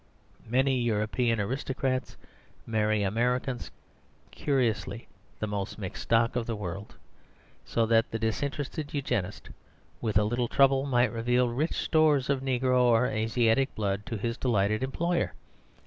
Many European aristocrats marry Americans, notoriously the most mixed stock in the world; so that the disinterested Eugenist, with a little trouble, might reveal rich stores of negro or Asiatic blood to his delighted employer.